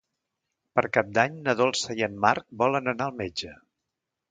Per Cap d'Any na Dolça i en Marc volen anar al metge.